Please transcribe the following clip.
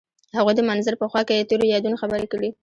هغوی د منظر په خوا کې تیرو یادونو خبرې کړې.